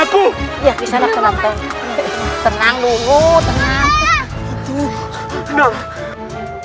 ya kisah nak tenang tenang